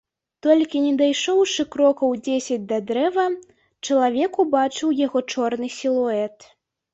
Толькі не дайшоўшы крокаў дзесяць да дрэва, чалавек убачыў яго чорны сілуэт.